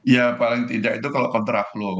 ya paling tidak itu kalau kontra flow